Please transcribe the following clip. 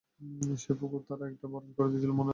সেই পুকুর তারা এটা ভরাট করে দিছিল, মনে আছে?